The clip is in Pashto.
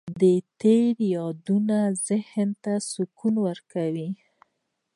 د تېرو یادونه ذهن ته سکون ورکوي.